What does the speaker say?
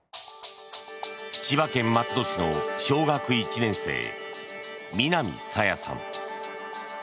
千葉県松戸市の小学１年生南朝芽さん。